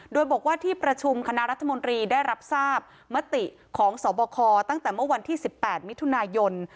โดยบอกว่าที่ประชุมคณะรัฐมนตรีได้รับทราบมติของสบคตั้งแต่เมื่อวันที่๑๘มิถุนายน